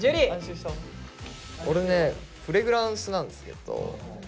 俺ねフレグランスなんですけど。